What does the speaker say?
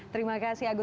terima kasih agus